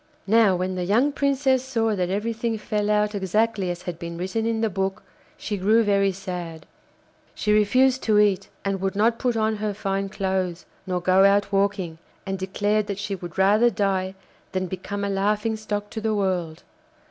Now when the young Princess saw that everything fell out exactly as had been written in the book, she grew very sad. She refused to eat, and would not put on her fine clothes nor go out walking, and declared that she would rather die than become a laughing stock to the world.